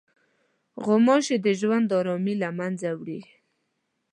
غوماشې د ژوند ارامي له منځه وړي.